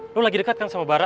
lo lagi deket kan sama bara